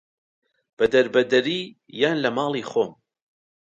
بە دەربەدەری یان لە ماڵی خۆم